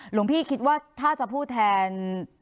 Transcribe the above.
หลวงพี่คิดว่าถ้าจะพูดแทน